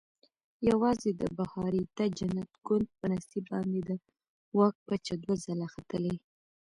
یوازې د بهاریته جنت ګوند په نصیب باندې د واک پچه دوه ځله ختلې.